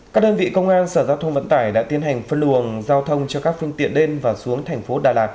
các đơn vị công an sở giao thông vận tải đã tiến hành phân luồng giao thông cho các phương tiện đêm và xuống thành phố đà lạt